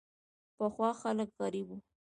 پخوا خلک غریب وو.